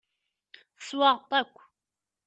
Teswaɣeḍ-t akk.